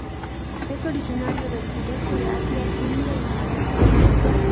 Es originario del sudeste de Asia, India y Malasia.